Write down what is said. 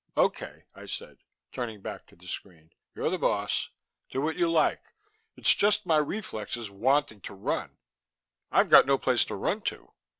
"OK," I said, turning back to the screen. "You're the boss. Do what you like. It's just my reflexes wanting to run. I've got no place to run to.